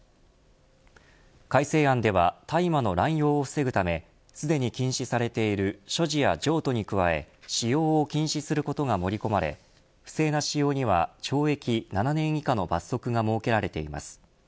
改正案では大麻の乱用を防ぐためすでに禁止されている所持や譲渡に加え使用を禁止することが盛り込まれ不正な使用には懲役７年以下の罰則が設けられています。